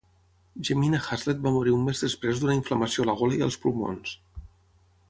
Jemima Haslet va morir un mes després d'una inflamació a la gola i als pulmons.